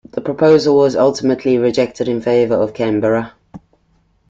The proposal was ultimately rejected in favour of Canberra.